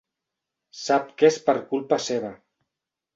Sap que és per culpa seva.